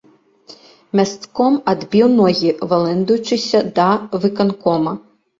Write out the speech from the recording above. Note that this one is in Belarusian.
Мясцком адбіў ногі, валэндаючыся да выканкома.